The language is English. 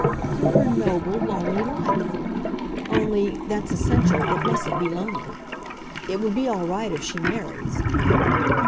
"Through her noble, lonely life. Only that's essential it mustn't be lonely. It will be all right if she marries."